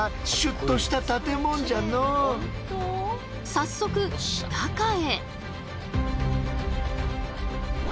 早速中へ。